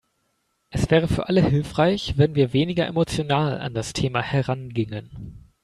Es wäre für alle hilfreich, wenn wir weniger emotional an das Thema herangingen.